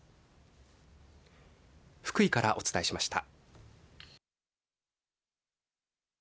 福井からお伝えしました。